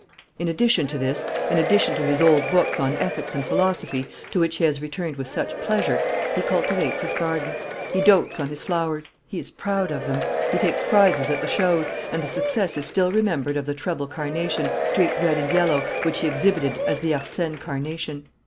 In addition to this, in addition to his old books on ethics and philosophy, to which he has returned with such pleasure, he cultivates his garden. He dotes on his flowers. He is proud of them. He takes prizes at the shows; and the success is still remembered of the treble carnation, streaked red and yellow, which he exhibited as the "Arsène carnation."